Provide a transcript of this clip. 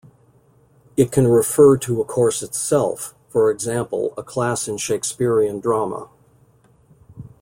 It can refer to a course itself, for example, a class in Shakespearean drama.